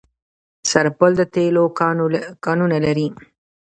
سرپل د تیلو کانونه لري